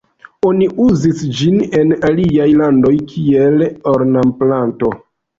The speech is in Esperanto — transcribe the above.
Oni uzis ĝin en aliaj landoj kiel ornamplanto.